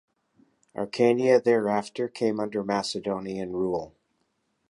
Acarnania thereafter came under Macedonian rule.